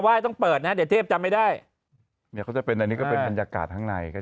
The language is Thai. ใครถ้าเปิดไว้ไม่ได้เขาจะเป็นจากภูมิใน